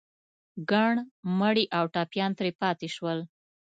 ګڼ مړي او ټپيان ترې پاتې شول.